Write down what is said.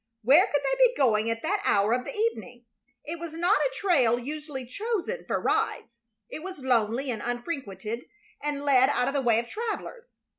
Where could they be going at that hour of the evening? It was not a trail usually chosen for rides. It was lonely and unfrequented, and led out of the way of travelers.